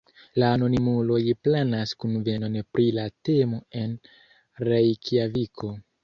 La anonimuloj planas kunvenon pri la temo en Rejkjaviko.